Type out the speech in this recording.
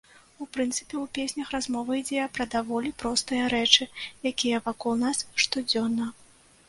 У прынцыпе ў песнях размова ідзе пра даволі простыя рэчы, якія вакол нас штодзённа.